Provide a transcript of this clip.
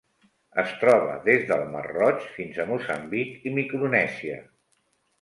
Es troba des del Mar Roig fins a Moçambic i Micronèsia.